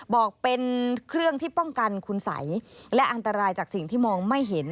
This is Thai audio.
บอกเป็นเครื่องที่ป้องกันคุณสัยและอันตรายจากสิ่งที่มองไม่เห็น